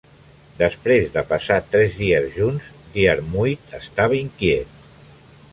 Després de passar tres dies junts, Diarmuid estava inquiet.